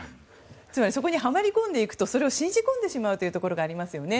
つまりそこにはまり込んでいくとそれを信じ込んでしまうところがありますよね。